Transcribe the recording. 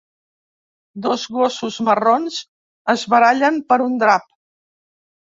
Dos gossos marrons es barallen per un drap.